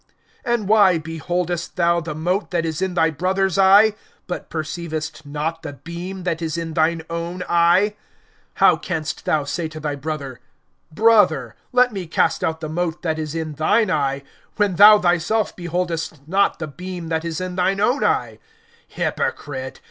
(41)And why beholdest thou the mote that is in thy brother's eye, but perceivest not the beam that is in thine own eye? (42)How canst thou say to thy brother: Brother, let me cast out the mote that is in thine eye, when thou thyself beholdest not the beam that is in thine own eye? Hypocrite!